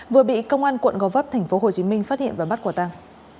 vừa bị công an quận gò vấp tp hcm phát hiện và bắt quả tăng